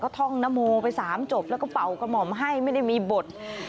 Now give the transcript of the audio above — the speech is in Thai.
ท่องนโมไป๓จบแล้วก็เป่ากระหม่อมให้ไม่ได้มีบท